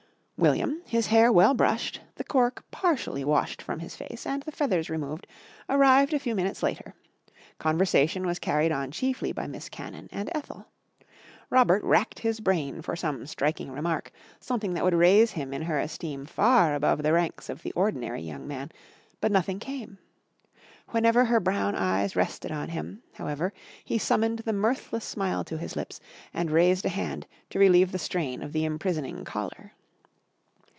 William, his hair well brushed, the cork partially washed from his face, and the feathers removed, arrived a few minutes later. Conversation was carried on chiefly by Miss Cannon and Ethel. Robert racked his brain for some striking remark, something that would raise him in her esteem far above the ranks of the ordinary young man, but nothing came. Whenever her brown eyes rested on him, however, he summoned the mirthless smile to his lips and raised a hand to relieve the strain of the imprisoning collar.